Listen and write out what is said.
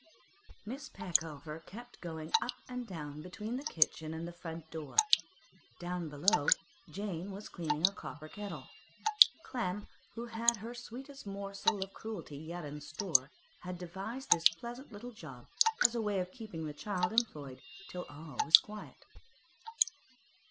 Miss Peckover kept going up and down between the kitchen and the front door. Down below, Jane was cleaning a copper kettle. Clem, who had her sweetest morsel of cruelty yet in store, had devised this pleasant little job as a way of keeping the child employed till all was quiet.